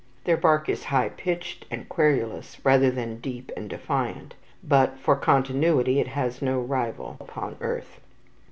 Their bark is high pitched and querulous rather than deep and defiant, but for continuity it has no rival upon earth.